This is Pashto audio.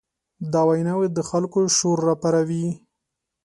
دا ویناوې د خلکو شور راپاروي.